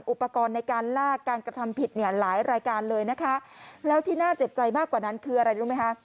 อุปกรณ์ในการลากการกระทำผิดเนี่ยหลายรายการเลยนะคะแล้วที่น่าเจ็บใจมากกว่านั้นคืออะไรรู้ไหมคะ